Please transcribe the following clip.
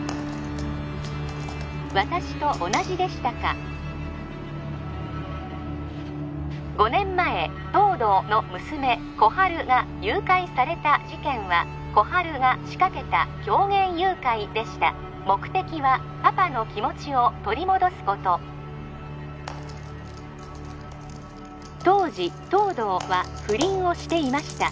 私と同じでしたか５年前東堂の娘心春が誘拐された事件は心春が仕掛けた狂言誘拐でした目的はパパの気持ちを取り戻すこと当時東堂は不倫をしていました